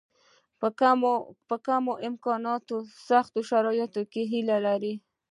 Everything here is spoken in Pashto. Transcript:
په کمو امکاناتو او سختو شرایطو کې هیله لري.